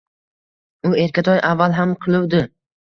U erkatoy avval ham qiluvdi.